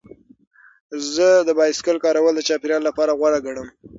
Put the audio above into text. زه د بایسکل کارول د چاپیریال لپاره غوره ګڼم.